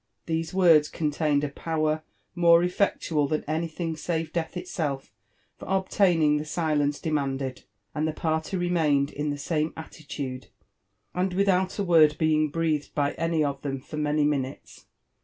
Theto worcb contained a power more effectual jlhan anytbing save d^ath itself for obtaining the silence demanded, and the party remained hi the aaihe attitude and without a word being breathed by any of them far many minutes.